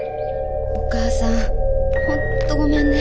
お母さん本当ごめんね。